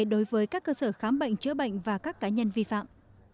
đối với các cơ sở khám bệnh chữa bệnh và các cá nhân vi phạm